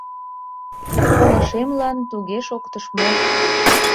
Пылышемлан туге шоктыш мо?